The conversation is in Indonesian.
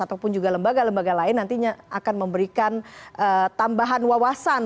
ataupun juga lembaga lembaga lain nantinya akan memberikan tambahan wawasan